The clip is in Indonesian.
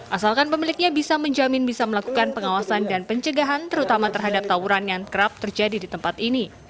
asalkan pemiliknya bisa menjamin bisa melakukan pengawasan dan pencegahan terutama terhadap tawuran yang kerap terjadi di tempat ini